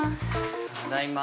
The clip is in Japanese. ただいま